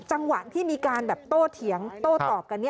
จังหวะที่มีการแบบโตเถียงโต้ตอบกัน